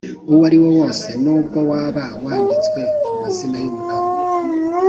uwo ari wo wose n’ubwo waba wanditswe ku mazina y’umugabo,